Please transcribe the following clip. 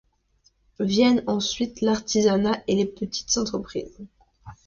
Viennent ensuite l'artisanat et les petites entreprises.